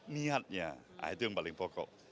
niatnya nah itu yang paling pokok